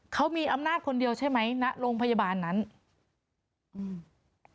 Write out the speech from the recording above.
เขามีอำนาจคนเดียวใช่ไหมณโรงพยาบาลนั้นอืม